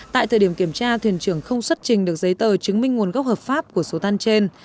tại thời điểm kiểm tra thuyền trưởng không xuất trình được giấy tờ chứng minh nguồn gốc hợp pháp của số tan trên